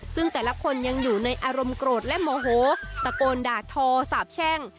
ซึ่งแต่ละคนยังอยู่ในอารมณ์โกรธและโมโหตะโกนด่าทอสาบแช่ง